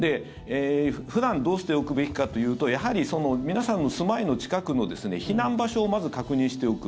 普段どうしておくべきかというとやはり、皆さんの住まいの近くの避難場所をまず確認しておく。